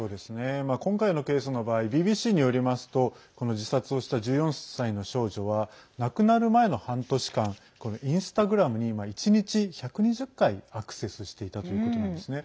今回のケースの場合ＢＢＣによりますとこの自殺をした１４歳の少女は亡くなる前の半年間インスタグラムに１日１２０回アクセスしていたということなんですね。